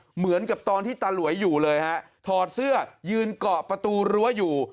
เหมือนกับตอนที่ตาหลวยอยู่เลยฮะถอดเสื้อยืนเกาะประตูรั้วอยู่